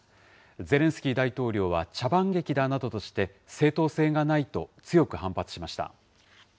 ゼレンスキー大統領は、茶番劇だなどとして、正当性がないと強く反発しました。